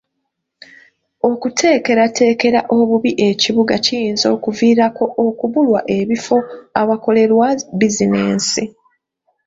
Okuteekerateekera obubi ekibuga kiyinza okuviirako okubulwa ebifo awakolelwa bizinensi.